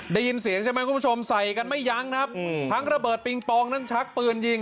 ได้ยินเสียงใช่ไหมคุณผู้ชมใส่กันไม่ยั้งครับทั้งระเบิดปิงปองทั้งชักปืนยิง